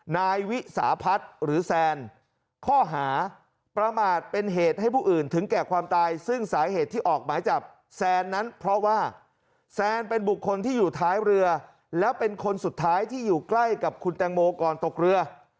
นายวิสาพัฒน์หรือแซนข้อหาประมาทเป็นเหตุให้ผู้อื่นถึงแก่ความตายซึ่งสาเหตุที่ออกหมายจับแซนนั้นเพราะว่าแซนเป็นบุคคลที่อยู่ท้ายเรือแล้วเป็นคนสุดท้ายที่อยู่ใกล้กับคุณแตงโมก่อนตกเรือ